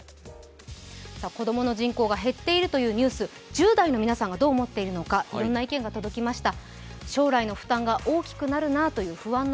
子供の人口が減っているというニュース、１０代の皆さんがどう思っているのかいろんな意見が届きました。